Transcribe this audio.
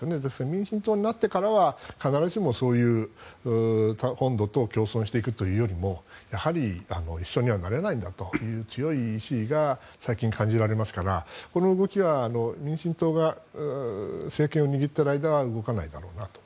民進党になってからは必ずしも本土と共存していくというよりもやはり一緒にはなれないんだという強い意思が最近感じられますからこの動きは民進党が政権を握っている間は動かないだろうなと。